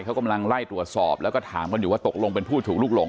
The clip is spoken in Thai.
เขากำลังไล่ตรวจสอบแล้วก็ถามกันอยู่ว่าตกลงเป็นผู้ถูกลุกหลง